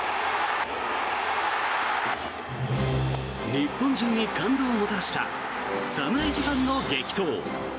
日本中に感動をもたらした侍ジャパンの激闘。